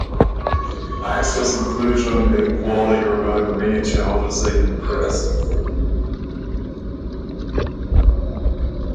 Access, inclusion and quality are among the main challenges they can address.